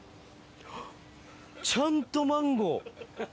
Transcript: ちゃんとマンゴー。